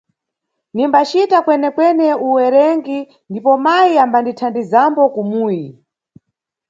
Nimbacita kwenekwene uwerengi ndipo mayi ambandithandizambo kumuyi.